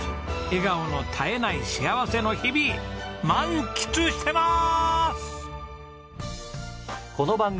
笑顔の絶えない幸せの日々満喫してまーす！